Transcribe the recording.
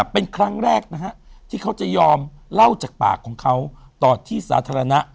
เป็นครั้งแรกที่เขาจะยอมเล่าจากปากของเขาต่อที่สาธารณะ